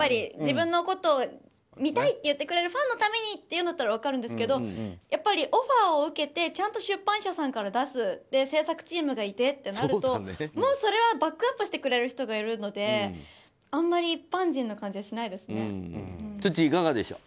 自分のことを見たいと言ってくれるファンのためにっていうのなら分かるんですけどオファーを受けてちゃんと出版社さんから出す製作チームがいてとなるともうそれはバックアップしてくれる人がいるのであまり一般人の感じはしないですね。